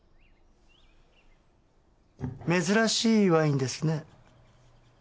珍しいワインですね。